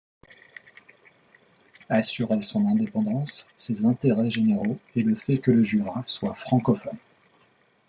Assurer son indépendance, ses intérêts généraux et le fait que le Jura soit francophone.